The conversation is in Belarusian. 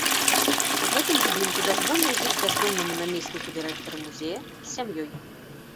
У гэтым будынку дазволілі жыць бяздомнаму намесніку дырэктара музея з сям'ёй.